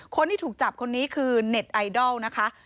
คนที่ถูกจับคนนี้คือเน็ตไอดอลนะคะ